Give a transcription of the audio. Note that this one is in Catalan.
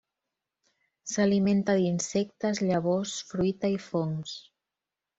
S'alimenta d'insectes, llavors, fruita i fongs.